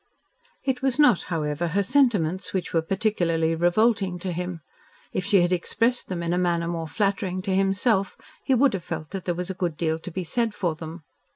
It was not, however, her sentiments which were particularly revolting to him. If she had expressed them in a manner more flattering to himself he would have felt that there was a good deal to be said for them.